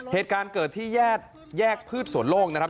เหตุการณ์เกิดที่แยกพืชสวนโล่งนะครับ